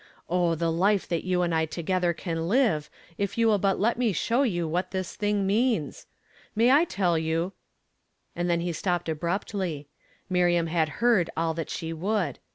Oh, the life that you and I together (;an live, if you will but let me show you what this thing means I May I tell you" and then he st(>Mped abruptly. Miriam had heard all that she would.